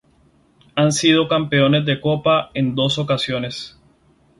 Han sido campeones de copa en dos ocasiones.